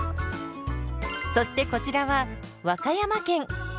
そしてこちらは和歌山県。